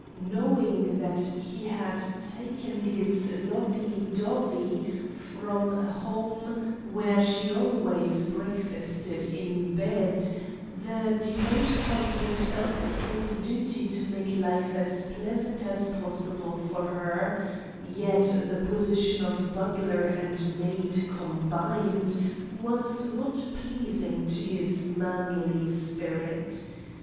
Knowing that he had taken his 'lovey dovey' from a home where she always breakfasted in bed, the devoted husband felt it his duty to make life as pleasant as possible for her; yet the position of butler and maid combined was not pleasing to his manly spirit.